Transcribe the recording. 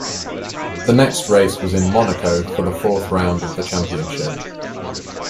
The next race was in Monaco for the fourth round of the Championship.